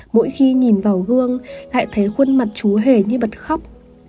mỗi khi nhìn vào hương lại thấy khuôn mặt chú hề như bật khóc